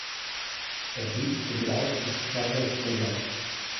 Er liegt im Lauf des Travers River.